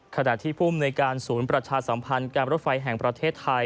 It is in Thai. ขณะที่ภูมิในการศูนย์ประชาสัมพันธ์การรถไฟแห่งประเทศไทย